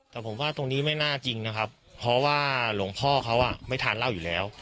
แต่ผมว่าตรงนี้ไม่น่าจริงนะครับเพราะว่าหลวงพ่อเขาไม่ทานเหล้าอยู่แล้ว